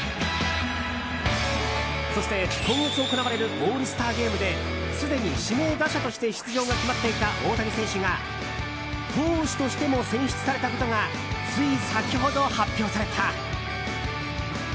そして、今月行われるオールスターゲームですでに指名打者として出場が決まっていた大谷選手が投手としても選出されたことがつい先ほど発表された。